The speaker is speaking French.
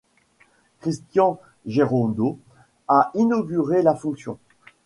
Christian Gerondeau a inauguré la fonction.